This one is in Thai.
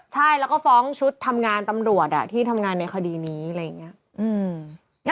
ใช่แล้วก็ฟ้องชุดทำงานตำรวจที่ทำงานในคดีนี้อะไรอย่างนี้